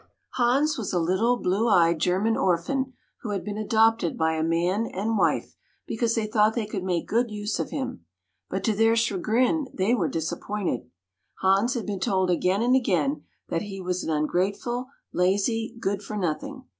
Hans was a little blue eyed German orphan who had been "adopted" by a man and wife because they thought they could make good use of him; but to their chagrin they were disappointed. Hans had been told again and again that he was an ungrateful, lazy, good for nothing.